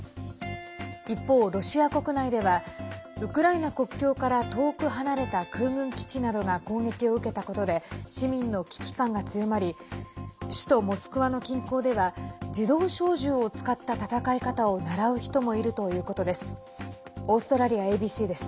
一方、ロシア国内ではウクライナ国境から遠く離れた空軍基地などが攻撃を受けたことで市民の危機感が強まり首都モスクワの近郊では自動小銃を使った戦い方を習う人もいるということです。